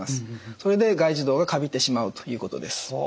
それで外耳道がカビてしまうということです。